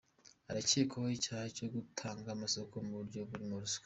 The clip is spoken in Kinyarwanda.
Arakekwaho icyaha cyo gutanga amasoko mu buryo burimo ruswa.